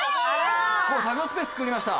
作業スペースつくりました。